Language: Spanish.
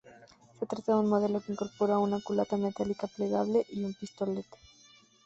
Se trata de un modelo que incorpora una culata metálica plegable y un pistolete.